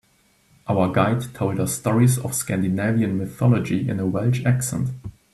Our guide told us stories of Scandinavian mythology in a Welsh accent.